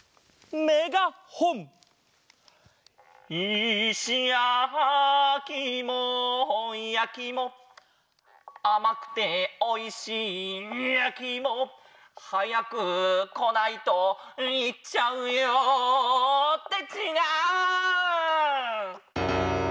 「いしやきいもやきいも」「あまくておいしいやきいも」「はやくこないといっちゃうよ」ってちがう！